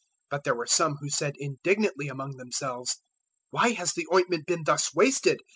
014:004 But there were some who said indignantly among themselves, "Why has the ointment been thus wasted?